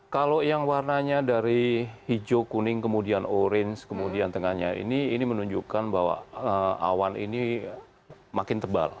kalau yang warnanya dari hijau kuning kemudian orange kemudian tengahnya ini menunjukkan bahwa awan ini makin tebal